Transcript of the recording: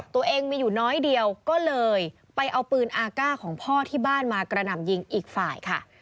ตัวเองมีอยู่น้อยเดียวก็เลยไปเอาปืนอาก้าของพ่อที่บ้านมากระหน่ำยิงอีกฝ่ายค่ะ